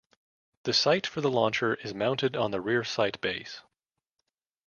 The sight for the launcher is mounted on the rear sight base.